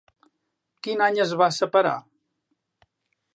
Quin any es va separar?